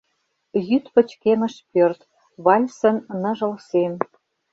Йӱд пычкемыш пӧрт, вальсын ныжыл сем.